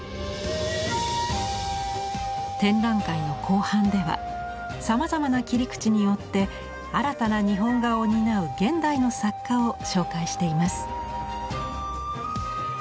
展覧会の後半ではさまざまな切り口によって新たな日本画を担う現代の作家を紹介しています。